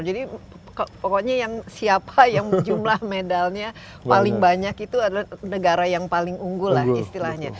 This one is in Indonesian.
jadi pokoknya yang siapa yang jumlah medalnya paling banyak itu adalah negara yang paling unggul lah istilahnya